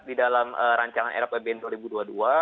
di dalam rancangan era pbn dua ribu dua puluh dua